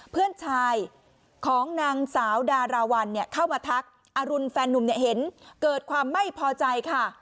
เพื่อนชายของนางสาวดาราวัลเข้ามาทักอรุณแฟนนุ่มเนี่ยเห็นเกิดความไม่พอใจค่ะ